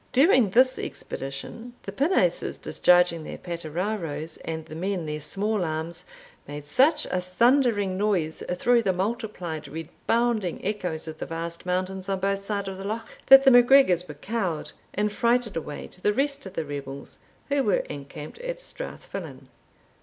During this expedition, the pinnaces discharging their patararoes, and the men their small arms, made such a thundering noise, through the multiplied rebounding echoes of the vast mountains on both sides of the loch, that the MacGregors were cowed and frighted away to the rest of the rebels who were encamped at Strath Fillan."